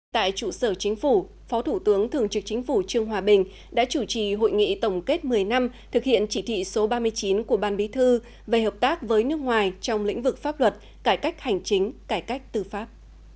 tại trụ sở chính phủ phó thủ tướng thường trực chính phủ trương hòa bình đã chủ trì hội nghị tổng kết một mươi năm thực hiện chỉ thị số ba mươi chín của ban bí thư về hợp tác với nước ngoài trong lĩnh vực pháp luật cải cách hành chính cải cách tư pháp